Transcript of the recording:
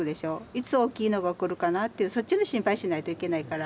いつ大きいのが起こるかなってそっちの心配しないといけないから。